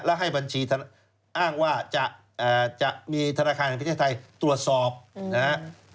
และให้บัญชีอ้างว่าจะมีธนาคารแห่งประเทศไทยตรวจสอบนะครับ